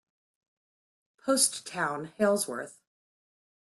Post Town, Halesworth.